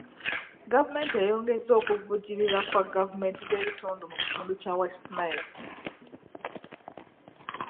Gavumenti eyongezza okuvujjirira kwa gavumenti z'ebitundu mu kitundu kya West Nile.